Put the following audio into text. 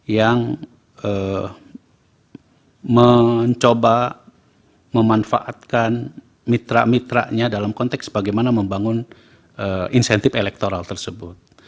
yang mencoba memanfaatkan mitra mitranya dalam konteks bagaimana membangun insentif elektoral tersebut